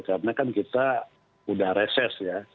karena kan kita udah reses ya